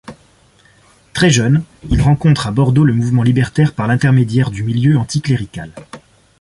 Très jeune, il rencontre à Bordeaux le mouvement libertaire par l’intermédiaire du milieu anticlérical.